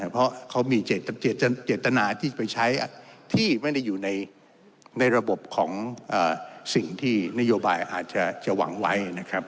เพราะเขามีเจตนาที่จะไปใช้ที่ไม่ได้อยู่ในระบบของสิ่งที่นโยบายอาจจะหวังไว้นะครับ